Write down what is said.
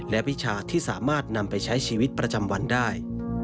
และวิชาที่สามารถนำไปใช้ชีวิตประจำวันได้